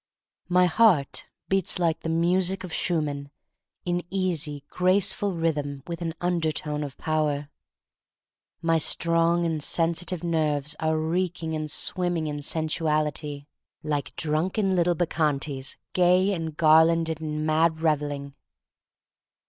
My heart beats like the music of Schumann, in easy, graceful rhythm with an undertone of power. My strong and sensitive nerves are reeking and swimming in sensuality 30 THE STORY OF MARY MAC LANE like drunken little Bacchantes, gay and garlanded in mad revelling.